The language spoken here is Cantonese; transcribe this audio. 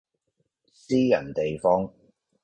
私人地方